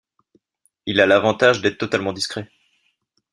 Il a l'avantage d'être totalement discret.